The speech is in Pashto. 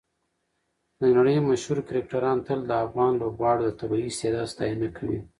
د نړۍ مشهور کرکټران تل د افغان لوبغاړو د طبیعي استعداد ستاینه کوي.